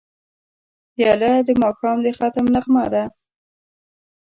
پیاله د ماښام د ختم نغمه ده.